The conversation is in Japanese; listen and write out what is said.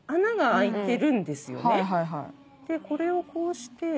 これをこうして。